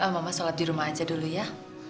mama sholat di rumah aja dulu ya